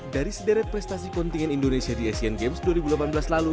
dari sederet prestasi kontingen indonesia di asian games dua ribu delapan belas lalu